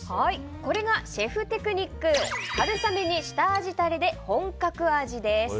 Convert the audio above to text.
これがシェフテクニック春雨に下味タレで本格味！です。